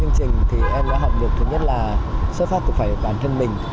chương trình thì em đã học được thứ nhất là xuất phát từ phải bản thân mình